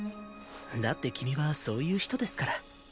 だって君はそういう人ですから。